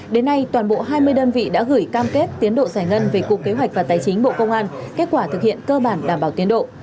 đến nay toàn bộ hai mươi đơn vị đã gửi cam kết tiến độ giải ngân về cục kế hoạch và tài chính bộ công an kết quả thực hiện cơ bản đảm bảo tiến độ